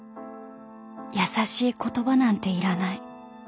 ［優しい言葉なんていらない］